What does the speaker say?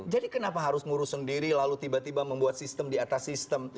jadi kenapa harus ngurus sendiri lalu tiba tiba membuat sistem di atas sistem